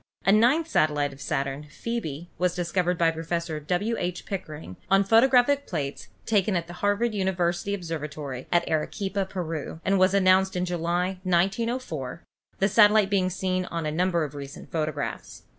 A ninth satellite of Saturn, Phcebe, was discovered by Professor W. H. Pickering on photographic plates taken at the Harvard Observatory at Arequipa, Peru, and was announced in July, 1904, the satellite being seen on a num ber of recent photographs.